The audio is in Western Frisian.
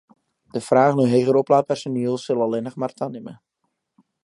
De fraach nei heger oplaat personiel sil allinnich mar tanimme.